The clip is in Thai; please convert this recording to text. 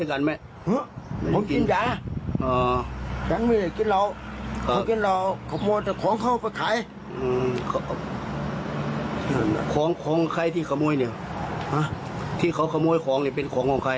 ขโมยแต่ของเขาไปขายของใครที่ขโมยเนี่ยที่เขาขโมยของเนี่ยเป็นของของใคร